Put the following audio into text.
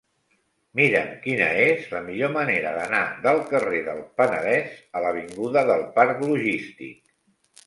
Mira'm quina és la millor manera d'anar del carrer del Penedès a l'avinguda del Parc Logístic.